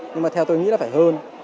nhưng mà theo tôi nghĩ là phải hơn